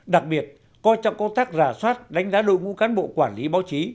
đặc biệt coi trọng công tác rà soát đánh giá đội ngũ cán bộ quản lý báo chí